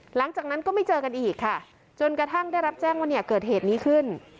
หลังจากนั้นก็ไม่เจอกันอีกค่ะจนกระทั่งได้รับแจ้งว่าเนี่ยเกิดเหตุนี้ขึ้น